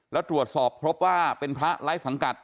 แล้วตรวจสอบพบว่าเป็นพระไร้สังกัด